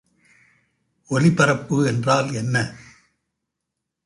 ஒலிபரப்பு என்றால் என்ன?